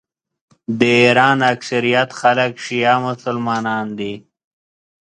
د ایران اکثریت خلک شیعه مسلمانان دي.